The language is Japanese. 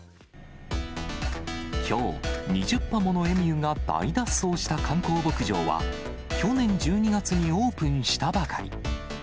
きょう、２０羽ものエミューが大脱走した観光牧場は、去年１２月にオープンしたばかり。